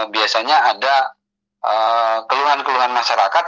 biasanya ada keluhan keluhan masyarakat